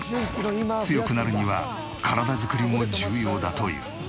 強くなるには体作りも重要だという。